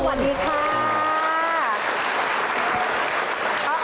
สวัสดีค่ะ